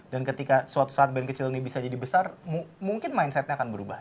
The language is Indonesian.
dan ketika suatu saat band kecil ini bisa jadi besar mungkin mindsetnya akan berubah